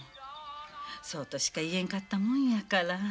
そうとしか言えんかったもんやから。